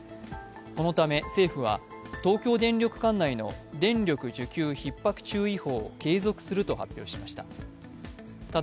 このため政府は東京電力管内の電力需給ひっ迫注意報を継続すると発表しました。